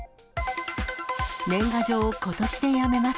年賀状ことしでやめます。